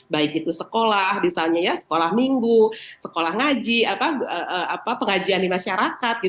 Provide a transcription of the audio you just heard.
baik itu sekolah misalnya ya sekolah minggu sekolah ngaji pengajian di masyarakat